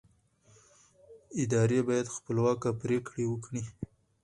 ادارې باید خپلواکه پرېکړې وکړي